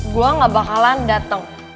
gue gak bakalan dateng